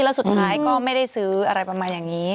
แล้วสุดท้ายก็ไม่ได้ซื้ออะไรประมาณอย่างนี้